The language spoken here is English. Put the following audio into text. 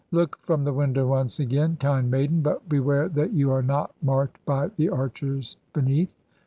Look from the window once again, kind maiden, but beware that you are not marked by the archers beneath.